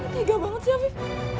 tiga banget sih afif